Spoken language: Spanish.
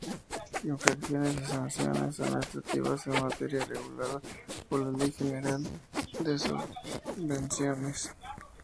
Infracciones y Sanciones administrativas en materia regulada por la Ley General de Subvenciones.